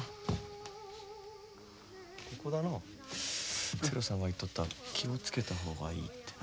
ここだの寺さんが言っとった気を付けた方がいいってな。